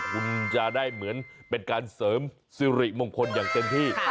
คุณจะได้เหมือนเป็นการเสริมสิริมงคลอย่างเต็มที่